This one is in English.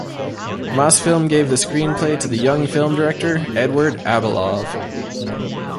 Mosfilm gave the screenplay to the young film director Eduard Abalov.